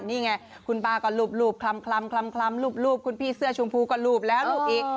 นี่ไงคุณป้าก็รูปคลำรูปคุณพี่เสื้อชมพูก็รูปแล้วรูปอีก